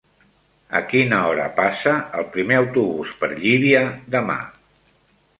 A quina hora passa el primer autobús per Llívia demà?